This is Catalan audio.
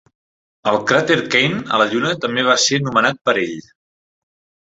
El cràter Kane a la lluna també va ser nomenat per a ell.